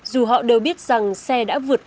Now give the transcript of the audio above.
dù họ đều biết rằng xe đã vượt